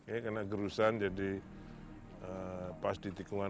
ini kena gerusan jadi pas ditikungan